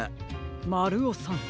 まるおさん。